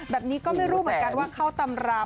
แบบนี้ก็ไม่รู้เหมือนกันว่าเข้าตำราม